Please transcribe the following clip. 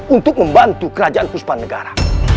untuk membantu kerajaan puspanegara